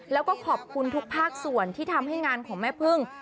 แล้วก็ขอบคุณทุกภาคส่วนที่ทำให้งานของแม่พึ่ง